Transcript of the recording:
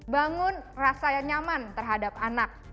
bangun rasa yang nyaman terhadap anak